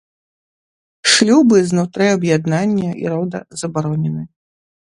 Шлюбы знутры аб'яднання і рода забаронены.